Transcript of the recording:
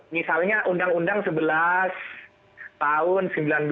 misalnya undang undang sebelas tahun seribu sembilan ratus sembilan puluh